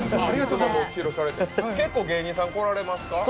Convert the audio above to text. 結構芸人さん来られますか？